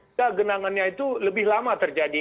sehingga genangannya itu lebih lama terjadi